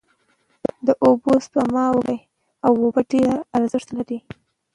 داوبوسپما وکړی او اوبه ډیر ارښت لری